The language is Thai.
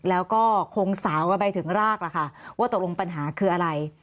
แล้วก็คงสาวกันไปถึงรากล่ะค่ะว่าตกลงปัญหาคืออะไร